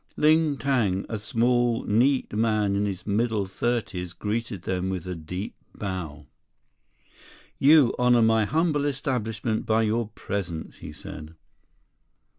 Ling Tang, a small, neat man in his middle thirties, greeted them with a deep bow. "You honor my humble establishment by your presence," he said.